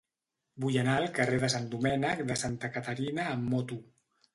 Vull anar al carrer de Sant Domènec de Santa Caterina amb moto.